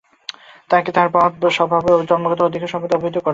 তাহাকে তাহার মহৎ স্বভাব ও জন্মগত অধিকার সম্বন্ধে অবহিত কর।